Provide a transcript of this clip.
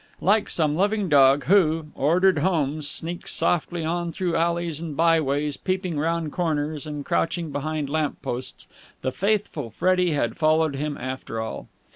Like some loving dog, who, ordered home sneaks softly on through alleys and by ways, peeping round corners and crouching behind lamp posts, the faithful Freddie had followed him after all.